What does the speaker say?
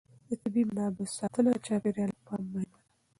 د طبیعي منابعو ساتنه د چاپېر یال لپاره مهمه ده.